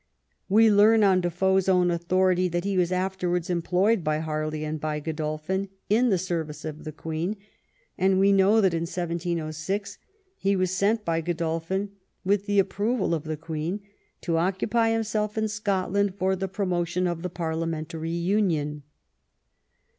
We learn on Defoe's own authority that he was afterwards employed by Harley and by Godolphin in the service of the Queen, and we know that in 1706 he was sent by Godolphin, with the approval of the Queen, to occupy himself in Scotland for the promotion of the parliamentary union.